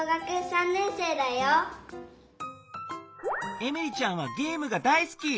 エミリちゃんはゲームが大すき！